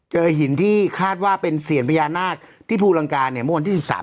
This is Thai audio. เจอหินที่คาดว่าเป็นเสียรพญานาศที่ภูรังกาเนี่ยมัววันที่๑๓ตุลาคม